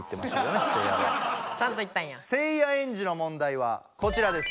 せいやエンジの問題はこちらです。